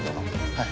はい。